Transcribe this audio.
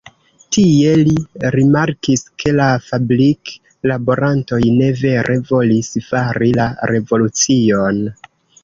Tie, li rimarkis ke la fabrik-laborantoj ne vere volis fari la revolucion.